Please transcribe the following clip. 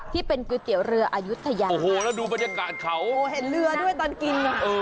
ที่เป็นก๋วยเตี๋ยวเรืออายุทยาโอ้โหแล้วดูบรรยากาศเขาโอ้โหเห็นเรือด้วยตอนกินอ่ะ